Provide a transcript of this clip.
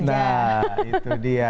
nah itu dia